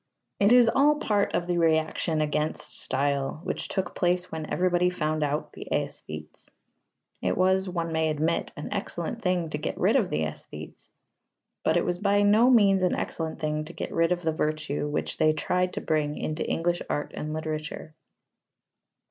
It is all part of the reaction against style which took place when everybody found out the æsthetes. It was, one may admit, an excellent thing to get rid of the æsthetes, but it was by no means an excellent thing to get rid of the virtue which they tried to bring into English art and literature.